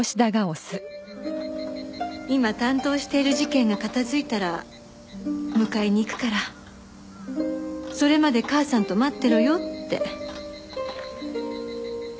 今担当している事件が片付いたら迎えに行くからそれまで母さんと待ってろよって。